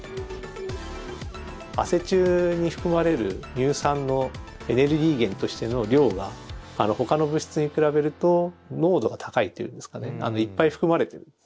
汗中に含まれる乳酸のエネルギー源としての量がほかの物質に比べると濃度が高いっていうんですかねいっぱい含まれている。